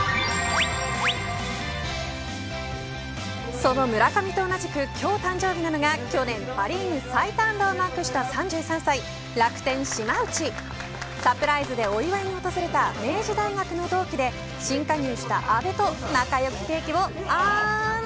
その村上と同じく今日、誕生日なのが去年パ・リーグ最多安打をマークした３３歳楽天、島内サプライズでお祝いに訪れた明治大学の同期で新加入した阿部と仲良くケーキを、あーん。